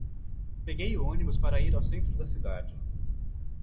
Peguei o ônibus para ir ao centro da cidade.